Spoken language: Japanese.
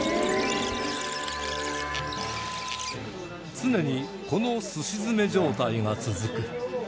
常にこのすし詰め状態が続く